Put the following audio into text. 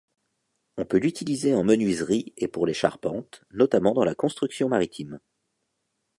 On peut l'utiliser en menuiserie et pour les charpentes, notamment dans la construction maritime.